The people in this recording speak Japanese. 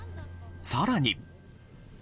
更に。